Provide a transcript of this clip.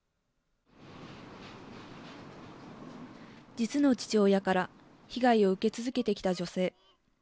実の父親から被害を受け続けてきた女性。